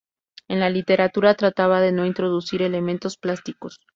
En la literatura trataba de no introducir elementos plásticos.